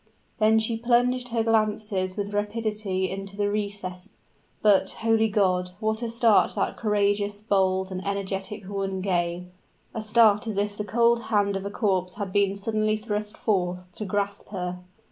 Then she plunged her glances with rapidity into the recess. But, holy God! what a start that courageous, bold, and energetic woman gave a start as if the cold hand of a corpse had been suddenly thrust forth to grasp her.